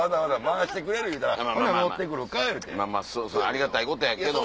ありがたいことやけども。